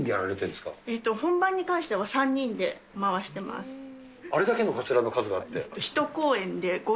本番に関しては３人で回してあれだけのかつらの数があって。